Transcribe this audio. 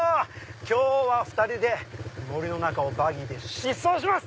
今日は２人で森の中をバギーで疾走します！